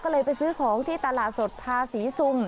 ก็เลยไปซื้อของที่ตลาดสดภาษีซุม